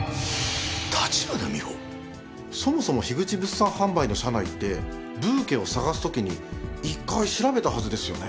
そもそも口物産販売の社内ってブーケを捜す時に一回調べたはずですよね？